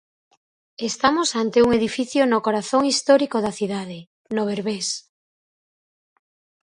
Estamos ante un edificio no corazón histórico da cidade, no Berbés.